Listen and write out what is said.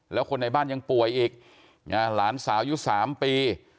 แล้วคนในบ้านยังป่วยอีกหลานสาวอยู่๓ปี